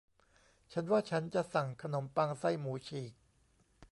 ฉันว่าฉันจะสั่งขนมปังไส้หมูฉีก